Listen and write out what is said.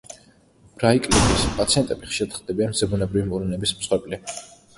ბრაირკლიფის პაციენტები ხშირად ხდებიან ზებუნებრივი მოვლენების მსხვერპლი.